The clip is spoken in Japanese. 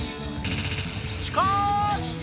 しかーし！